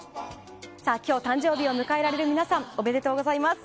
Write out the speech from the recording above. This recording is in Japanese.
今日、誕生日を迎えられる皆さんおめでとうございます。